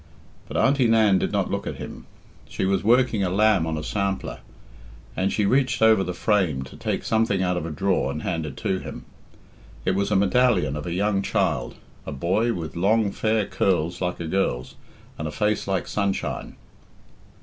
But Auntie Nan did not look at him. She was working a lamb on a sampler, and she reached over the frame to take something out of a drawer and hand it to him. It was a medallion of a young child a boy, with long fair curls like a girl's, and a face like sunshine.